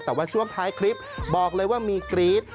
แต่ว่าช่วงท้ายคลิปบอกเลยว่ามีกรี๊ด